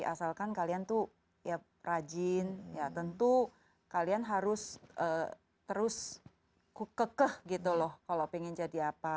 asalkan kalian tuh ya rajin ya tentu kalian harus terus kekeh gitu loh kalau ingin jadi apa